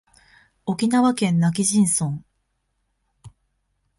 沖縄県今帰仁村